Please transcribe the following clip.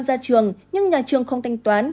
ra trường nhưng nhà trường không thanh toán